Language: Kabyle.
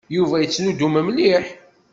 Yuba yettnuddum mliḥ.